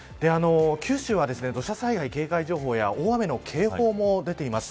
九州は土砂災害警戒情報や大雨の警報も出ています。